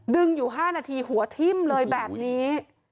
ดึงอยู่๕นาทีหัวทิ่มเลยแบบนี้